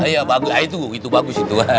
iya bagus itu bagus itu